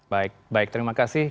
baik baik terima kasih